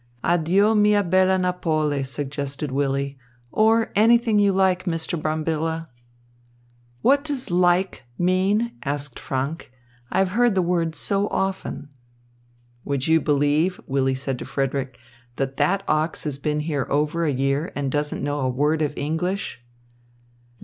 "'Addio mia bella Napoli,'" suggested Willy, "or anything you like, Mr. Brambilla." "What does 'like' mean?" asked Franck. "I have heard the word so often." "Would you believe," Willy said to Frederick, "that that ox has been here over a year and doesn't know a word of English?"